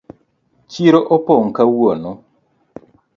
Chiro opong’ kawuono.